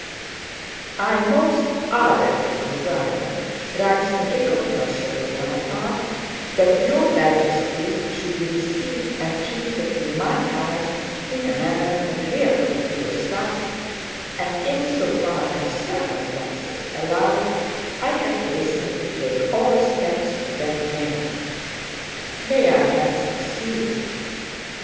"'I most ardently desire,' writes the King of Prussia to Bonaparte, 'that Your Majesty should be received and treated in my palace in a manner agreeable to yourself, and in so far as circumstances allowed, I have hastened to take all steps to that end. May I have succeeded!